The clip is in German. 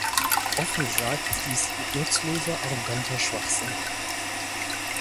Offen gesagt, ist dies nutzloser, arroganter Schwachsinn.